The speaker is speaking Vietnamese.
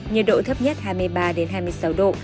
nhiệt độ thấp nhất hai mươi ba hai mươi sáu độ